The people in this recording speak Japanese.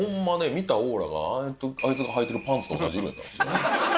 見たオーラがあいつがはいてるパンツと同じ色やったんですよ。